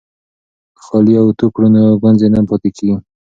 که کالي اوتو کړو نو ګونځې نه پاتې کیږي.